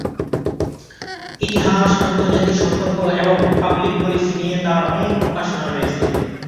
ইতিহাস, আন্তর্জাতিক সম্পর্ক এবং পাবলিক পলিসি নিয়ে তার অনেক প্রকাশনা রয়েছে।